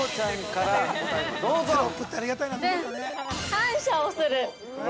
感謝をする！